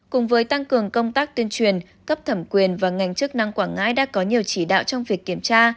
cùng với tăng cường công tác tuyên truyền cấp thẩm quyền và ngành chức năng quảng ngãi đã có nhiều chỉ đạo trong việc kiểm tra